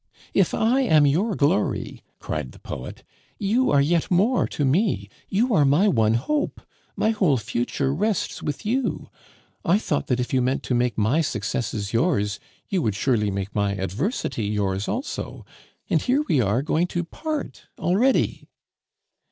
"If I am your glory," cried the poet, "you are yet more to me you are my one hope, my whole future rests with you. I thought that if you meant to make my successes yours, you would surely make my adversity yours also, and here we are going to part already."